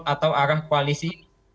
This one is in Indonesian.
atau arah koalisi